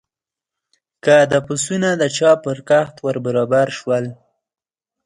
که د پسونو د چا پر کښت ور برابر شول.